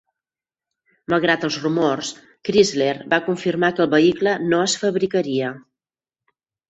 Malgrat els rumors, Chrysler va confirmar que el vehicle no es fabricaria.